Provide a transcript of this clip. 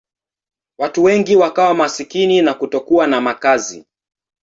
Watu wengi wakawa maskini na kutokuwa na makazi.